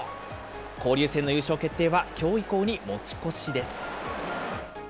交流戦の優勝決定は、きょう以降に持ち越しです。